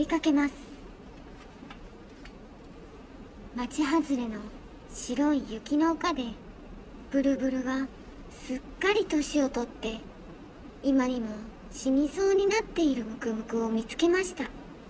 「まちはずれのしろいゆきのおかでブルブルはすっかりとしをとっていまにもしにそうになっているムクムクをみつけました。